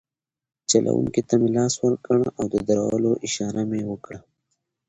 چلونکي ته مې لاس ورکړ او د درولو اشاره مې وکړه.